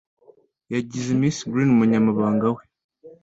Yagize Miss Green umunyamabanga we.